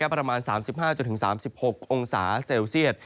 ประมาณ๓๕๓๖องศาเซลเซียต